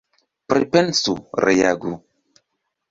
Pripensu, reagu.